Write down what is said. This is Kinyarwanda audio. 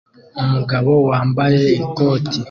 Umugabo wambaye ikoti